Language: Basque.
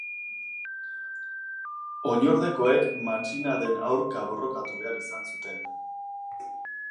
Oinordekoek matxinaden aurka borrokatu behar izan zuten.